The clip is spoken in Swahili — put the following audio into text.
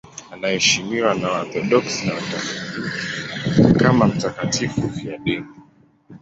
Anaheshimiwa na Waorthodoksi na Wakatoliki kama mtakatifu mfiadini.